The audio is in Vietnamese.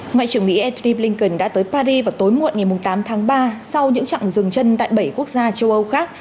ngoại trưởng mỹ anty blinken đã tới paris vào tối muộn ngày tám tháng ba sau những chặng rừng chân tại bảy quốc gia châu âu khác